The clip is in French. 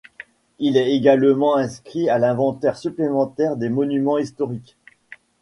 Il est également inscrit à l'Inventaire supplémentaire des Monuments Historiques.